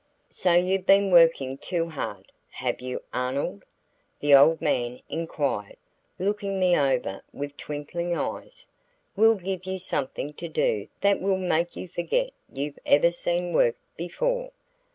"So you've been working too hard, have you, Arnold?" the old man inquired, looking me over with twinkling eyes. "We'll give you something to do that will make you forget you've ever seen work before!